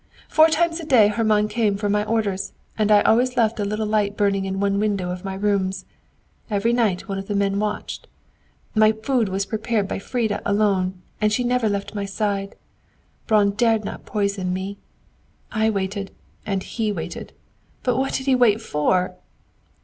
Four times a day Hermann came for my orders, and I always left a little light burning in one window of my rooms. Every night one of the men watched. My food was prepared by little Frida alone, and she never left my side. Braun dared not poison me! I waited, and he waited. What did he wait for?"